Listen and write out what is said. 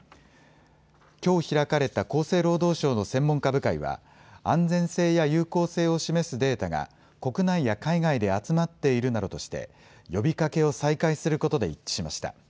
きょう開かれた厚生労働省の専門家部会は安全性や有効性を示すデータが国内や海外で集まっているなどとして、呼びかけを再開することで一致しました。